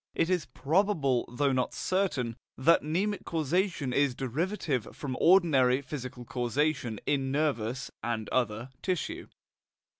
It is probable, though not certain, that mnemic causation is derivative from ordinary physical causation in nervous (and other) tissue.